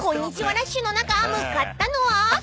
ラッシュの中向かったのは］